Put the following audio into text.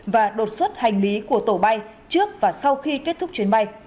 và đột xuất hành lý của tổ bay trước và sau khi kết thúc chuyến bay